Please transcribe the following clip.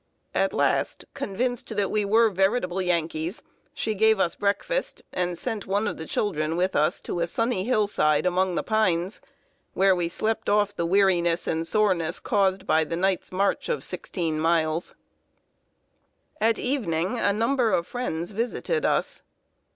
At last, convinced that we were veritable Yankees, she gave us breakfast, and sent one of the children with us to a sunny hillside among the pines, where we slept off the weariness and soreness caused by the night's march of sixteen miles. [Sidenote: AMONG UNION BUSHWHACKERS.] At evening a number of friends visited us.